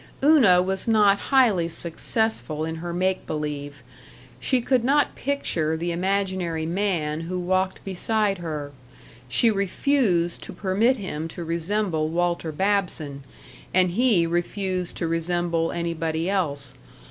Una was not highly successful in her make believe. She could not picture the imaginary man who walked beside her. She refused to permit him to resemble Walter Babson, and he refused to resemble anybody else.